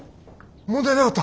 問題なかった！？